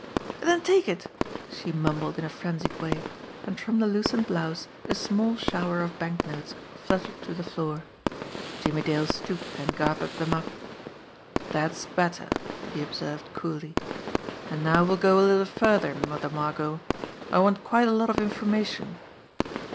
"Den take it !" she mumbled in a frenzied way and from the loosened blouse a small shower of banknotes fluttered to the floor. Jimmie Dale stooped and gathered them up. "That's better!" he observed coolly. "And now we'll go a little further, Mother Margot. I want quite a lot of in formation.